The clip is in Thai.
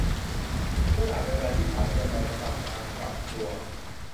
ซึ่งอาจเป็นเวลาที่สายเกินไปสำหรับการกลับตัว